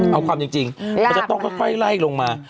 เอาความจริงมันจะต้องค่อยไล่ลงมา